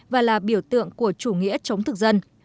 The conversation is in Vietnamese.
và là biểu tượng của chủ nghĩa chống thực dân